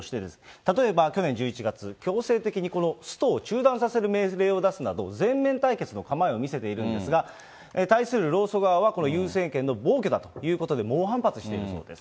例えば去年１１月、強制的にこのストを中断させる命令を出すなど、全面対決の構えを見せているんですが、対する労組側は、これ、ユン政権の暴挙だということで、猛反発しているそうです。